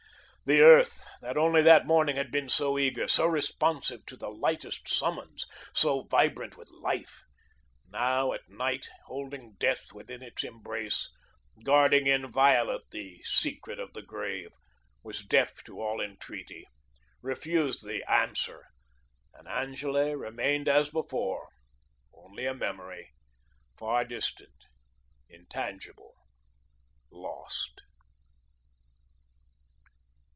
The Earth that only that morning had been so eager, so responsive to the lightest summons, so vibrant with Life, now at night, holding death within its embrace, guarding inviolate the secret of the Grave, was deaf to all entreaty, refused the Answer, and Angele remained as before, only a memory, far distant, intangible, lost.